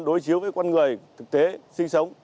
đối chiếu với con người thực tế sinh sống